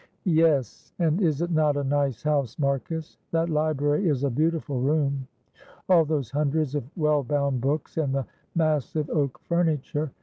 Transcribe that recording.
"Yes; and is it not a nice house, Marcus? That library is a beautiful room. All those hundreds of well bound books, and the massive oak furniture.